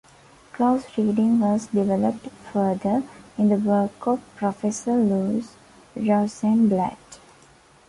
Close reading was developed further in the work of Professor Louise Rosenblatt.